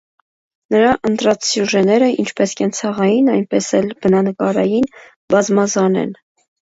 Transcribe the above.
Նրա ընտրած սյուժեները (ինչպես կենցաղային, այնպես էլ բնանկարային) բազմազան են։